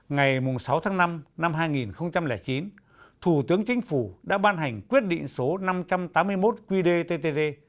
ngày sáu tháng năm năm hai nghìn chín thủ tướng chính phủ đã ban hành quyết định số năm trăm tám mươi một qdtt